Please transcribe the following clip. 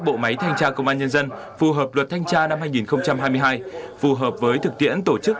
bộ máy thanh tra công an nhân dân phù hợp luật thanh tra năm hai nghìn hai mươi hai phù hợp với thực tiễn tổ chức